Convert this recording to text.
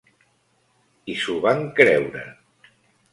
I s’ho van creure!